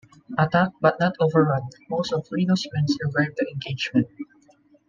Attacked but not overrun, most of Reno's men survived the engagement.